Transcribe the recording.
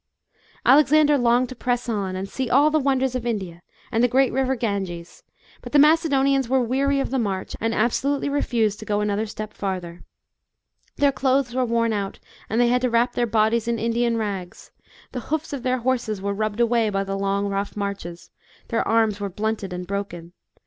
Alexander longed to press on, and se& all the wonders of India and the great river Ganges, but the Macedonians were weary of the mp.rch and ab solutely refused to go another step farther. Their clothes were worn out, and they had to wrap their bodies in Indian rags ; the hoofs of their horses were rubbed away by the long rough marches; their arms were blunted and broken.